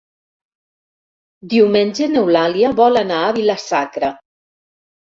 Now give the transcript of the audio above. Diumenge n'Eulàlia vol anar a Vila-sacra.